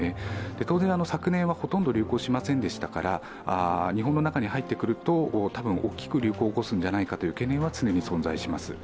当然、昨年はほとんど流行しませんでしたから日本の中に入ってくると多分、大きく流行を起こすのではないかという懸念はあります。